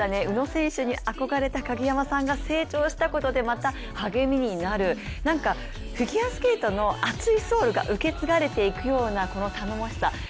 宇野選手に憧れた鍵山さんが成長したことでまた励みになる、フィギュアスケートの熱いソウルが受け継がれていくような頼もしさ。